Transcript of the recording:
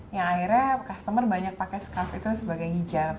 yang akhirnya customer banyak pakai scurf itu sebagai hijab